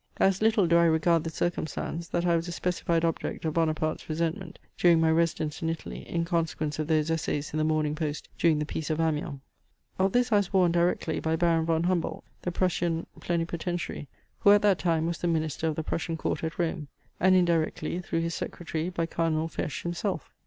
As little do I regard the circumstance, that I was a specified object of Buonaparte's resentment during my residence in Italy in consequence of those essays in the Morning Post during the peace of Amiens. Of this I was warned, directly, by Baron Von Humboldt, the Prussian Plenipotentiary, who at that time was the minister of the Prussian court at Rome; and indirectly, through his secretary, by Cardinal Fesch himself.